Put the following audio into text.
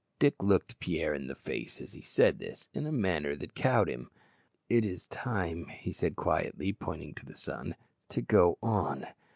Dick looked Pierre in the face, as he said this, in a manner that cowed him. "It is time," he said quietly, pointing to the sun, "to go on.